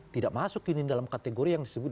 tidak masuk ini dalam kategori yang disebut